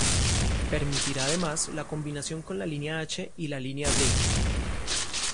Permitirá además la combinación con la Línea H y la Línea D